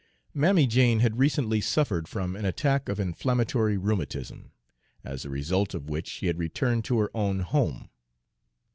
Mammy Jane had recently suffered from an attack of inflammatory rheumatism, as the result of which she had returned to her own home.